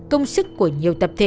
công sức của nhiều tập thể